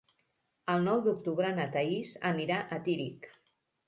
El nou d'octubre na Thaís anirà a Tírig.